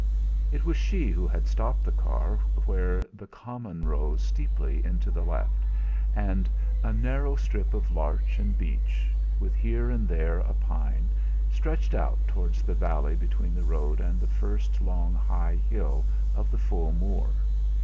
It was she who had stopped the car where the common rose steeply to the left, and a narrow strip of larch and beech, with here and there a pine, stretched out towards the valley between the road and the first long high hill of the full moor.